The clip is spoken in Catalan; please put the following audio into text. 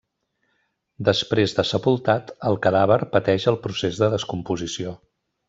Després de sepultat, el cadàver pateix el procés de descomposició.